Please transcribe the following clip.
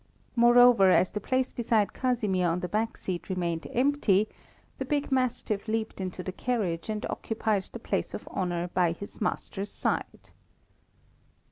Moreover, as the place beside Casimir on the back seat remained empty, the big mastiff leaped into the carriage, and occupied the place of honour by his master's side.